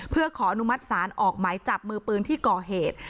เพื่อขออนุมัติศาลออกหมายจับมือปืนที่ก่อเหตุ